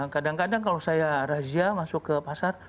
kadang kadang kalau saya razia masuk ke pasar